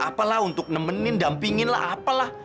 apalah untuk nemenin dampingin lah apalah